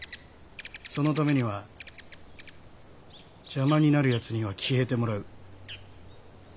そのためには邪魔になる奴には消えてもらう。